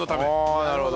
あなるほど。